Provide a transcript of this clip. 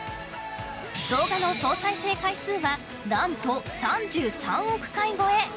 動画の総再生回数は何と３３億回超え。